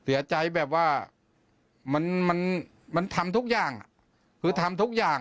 เสียใจจริงเสียใจแบบว่ามันทำทุกอย่างคือทำทุกอย่าง